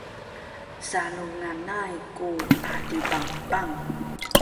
salunganay ku adipapang